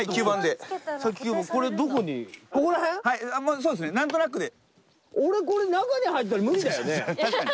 そうですねなんとなくで。